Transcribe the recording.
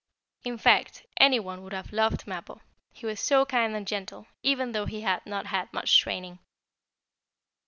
In fact, any one would have loved Mappo, he was so kind and gentle, even though he had not had much training.